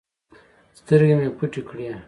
سترگې مې پټې کړې.